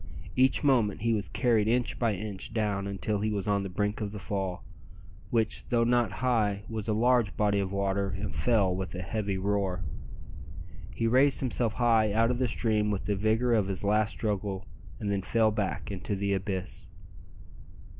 Each moment he was carried inch by inch down until he was on the brink of the fall, which, though not high, was a large body of water and fell with a heavy roar. He raised himself high out of the stream with the vigour of his last struggle, and then fell back into the abyss.